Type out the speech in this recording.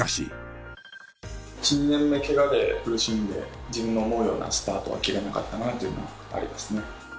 １２年目ケガで苦しんで自分の思うようなスタートが切れなかったなというのはありますね。